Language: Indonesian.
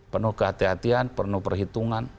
penuh kehatian penuh perhitungan